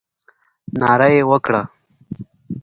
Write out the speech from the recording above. ناره یې وکړه.